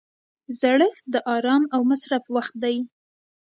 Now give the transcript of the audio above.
زړښت د ارام او مصرف وخت دی.